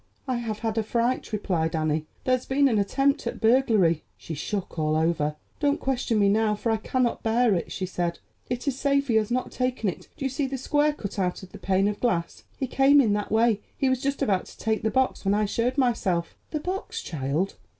"I have had a fright," replied Annie; "there has been an attempt at burglary." She shook all over. "Don't question me now, for I cannot bear it," she said. "It is safe—he has not taken it. Do you see the square cut out of that pane of glass? He came in that way; he was just about to take the box when I showed myself." "The box, child?